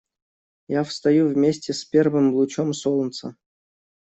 Я встаю вместе с первым лучом солнца.